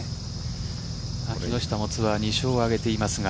木下もツアー２勝を挙げていますが。